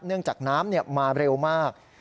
เนื่องจากน้ำมาเร็วมาก